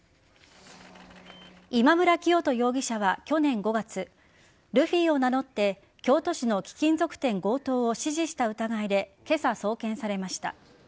今村磨人容疑者は去年５月ルフィを名乗って京都市の貴金属店強盗を指示した疑いで今朝、送検されました。